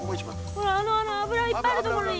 ほらあの油がいっぱいある所に。